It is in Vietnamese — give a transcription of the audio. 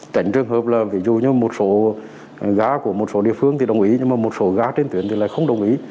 tránh trường hợp là ví dụ như một số ga của một số địa phương thì đồng ý nhưng mà một số ga trên tuyến thì lại không đồng ý